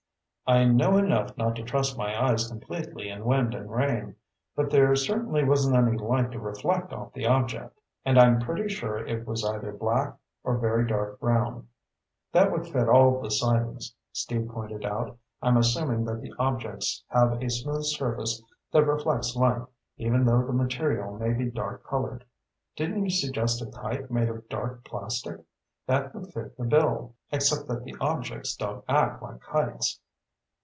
"I know enough not to trust my eyes completely in wind and rain. But there certainly wasn't any light to reflect off the object, and I'm pretty sure it was either black or very dark brown." "That would fit all the sightings," Steve pointed out. "I'm assuming that the objects have a smooth surface that reflects light, even though the material may be dark colored. Didn't you suggest a kite made of dark plastic? That would fit the bill, except that the objects don't act like kites."